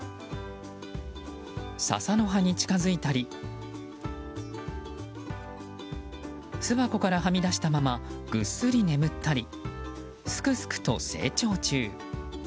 ササの葉に近づいたり巣箱からはみ出したままぐっすり眠ったりすくすくと成長中。